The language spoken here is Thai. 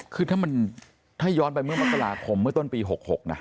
คือถ้าย้อนไปเมื่อมกราคมเมื่อต้นปี๖๖นะ